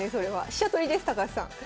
飛車取りです高橋さん。